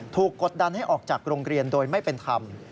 กดดันให้ออกจากโรงเรียนโดยไม่เป็นธรรม